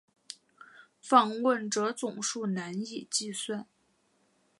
访问者总数难以计算。